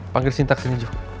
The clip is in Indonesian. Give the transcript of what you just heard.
panggil sintaks ini joe